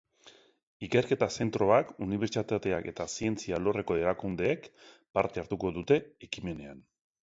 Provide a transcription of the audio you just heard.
Ikerketa zentroak, unibertsitateak eta zientzia alorreko erakundeek parte hartuko dute ekimenean.